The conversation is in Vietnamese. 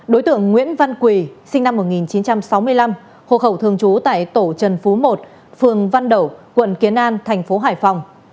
đối tượng nguyễn văn quỳ sinh năm một nghìn chín trăm sáu mươi năm hộ khẩu thường trú tại tổ trần phú một phường văn đậu quận kiến an thành phố hải phòng